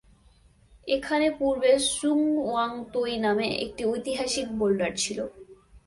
এখানে পূর্বে সুং ওয়াং তোই নামে একটি ঐতিহাসিক বোল্ডার ছিল।